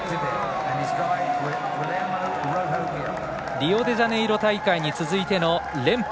リオデジャネイロ大会に続いての連覇。